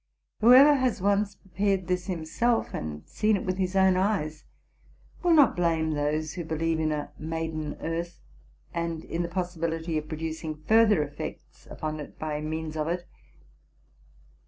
Whoever has once prepared this himself, and seen it with his own eyes, will not blame those who believe in a maiden earth, and in the possibility of producing further effects upon it by means of it.